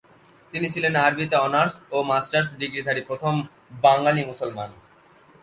তিনি ছিলেন আরবিতে অনার্স ও মাস্টার্স ডিগ্রিধারী প্রথম বাঙালি মুসলমান।